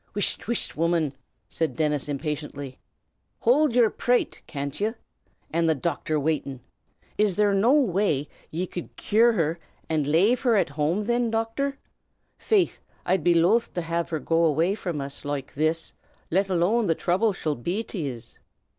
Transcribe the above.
"Whisht, whisht, woman!" said Dennis, impatiently. "Howld yer prate, can't ye, an' the docthor waitin'? Is there no way ye cud cure her, an' lave her at home thin, Docthor? Faith, I'd be loth to lave her go away from uz loike this, let alone the throuble she'll be to yez!"